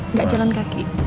nggak jalan kaki